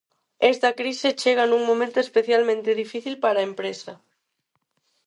Esta crise chega nun momento especialmente difícil para a empresa.